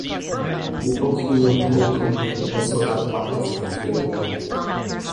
The Oak Hill coal company also had mines in Flagler.